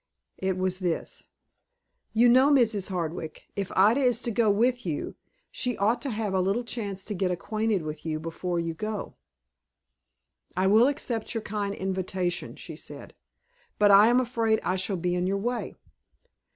It was this. "You know, Mrs. Hardwick, if Ida is to go with you, she ought to have a little chance to get acquainted with you before you go." "I will accept your kind invitation," she said; "but I am afraid I shall be in your way."